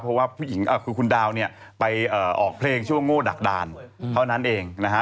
เพราะว่าผู้หญิงคือคุณดาวเนี่ยไปออกเพลงช่วงโง่ดักด่านเท่านั้นเองนะฮะ